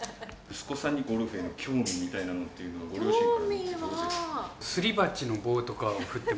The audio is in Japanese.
息子さんにゴルフへの興味みたいなものって、ご両親から見て？